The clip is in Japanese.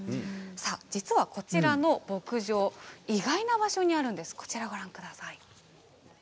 実は、こちらの牧場意外な場所にあるんです。